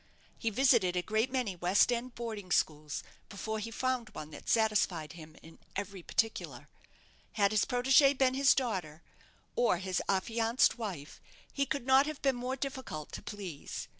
He visited a great many West end boarding schools before he found one that satisfied him in every particular. Had his protégée been his daughter, or his affianced wife, he could not have been more difficult to please.